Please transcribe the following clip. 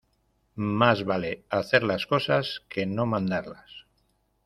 Más vale hacer las cosas que no mandarlas.